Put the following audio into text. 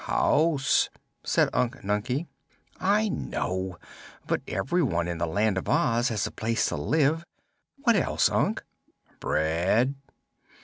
"House," said Unc Nunkie. "I know; but everyone in the Land of Oz has a place to live. What else, Unc?" "Bread."